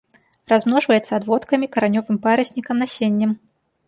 Размножваецца адводкамі, каранёвым параснікам, насеннем.